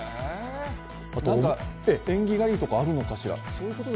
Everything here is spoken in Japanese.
縁起がいいとかあるのかしら。